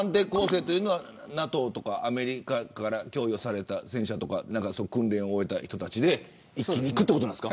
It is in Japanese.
ＮＡＴＯとかアメリカから供与された戦車とか訓練を終えた人たちで一気にいくということですか。